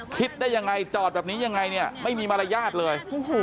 คิดได้ยังไงจอดแบบนี้ยังไงเนี่ยไม่มีมารยาทเลย